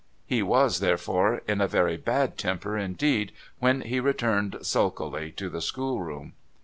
He was, therefore, in a very bad temper indeed when he returned sulkily to the schoolroom.